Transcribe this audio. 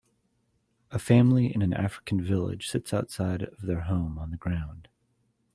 A family in an African village sits outside of their home on the ground.